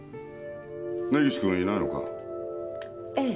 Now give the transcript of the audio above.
根岸君はいないのかええ。